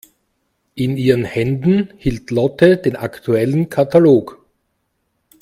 In ihren Händen hielt Lotte den aktuellen Katalog.